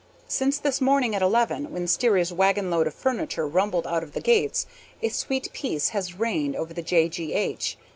Since this morning at eleven, when Sterry's wagonload of furniture rumbled out of the gates, a sweet peace has reigned over the J. G. H.